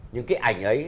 nhưng cái ảnh ấy